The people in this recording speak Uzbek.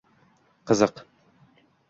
Qiziq...